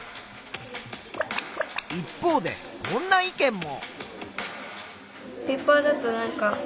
一方でこんな意見も。